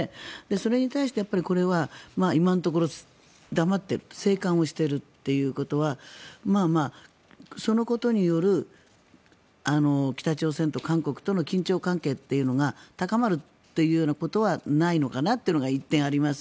それに対してこれは今のところ黙ってると静観をしているということはそのことによる北朝鮮と韓国との緊張関係というのが高まるというようなことはないのかなというのが１点あります。